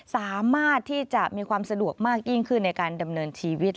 สามารถที่จะมีความสะดวกมากยิ่งขึ้นในการดำเนินชีวิต